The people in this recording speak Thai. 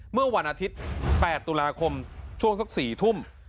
เมื่อวันอาทิตย์๘ตุลาคมช่วงสัก๔ทุ่ม